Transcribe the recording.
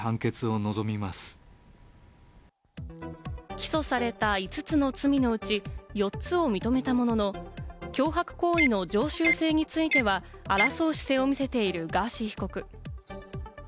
起訴された５つの罪のうち、４つを認めたものの、脅迫行為の常習性については、争う姿勢を見せているガーシー被告。